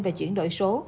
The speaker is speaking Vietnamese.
và chuyển đổi số